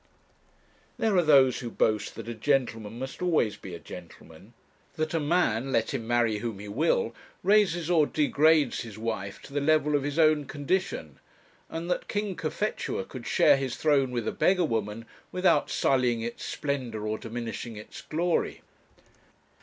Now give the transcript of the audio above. There are those who boast that a gentleman must always be a gentleman; that a man, let him marry whom he will, raises or degrades his wife to the level of his own condition, and that King Cophetua could share his throne with a beggar woman without sullying its splendour or diminishing its glory.